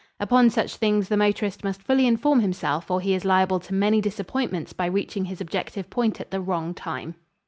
Upon such things the motorist must fully inform himself or he is liable to many disappointments by reaching his objective point at the wrong time.